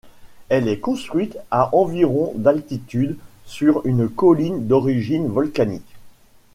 Elle est construite à environ d'altitude sur une colline d'origine volcanique.